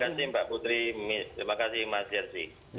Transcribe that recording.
terima kasih mbak putri terima kasih mas jersi